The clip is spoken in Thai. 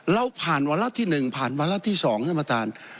เราผ่านวัลส์ที่หนึ่งผ่านวัลส์ที่สองท่านประธาน